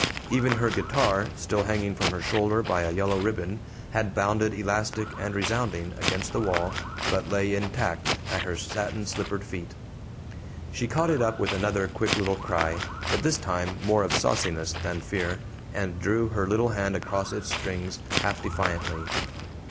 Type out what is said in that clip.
Even her guitar, still hanging from her shoulder by a yellow ribbon, had bounded elastic and resounding against the wall, but lay intact at her satin slippered feet. She caught it up with another quick little cry, but this time more of sauciness than fear, and drew her little hand across its strings, half defiantly.